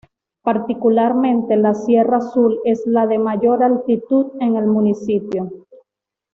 Particularmente la Sierra Azul es la de mayor altitud en el municipio.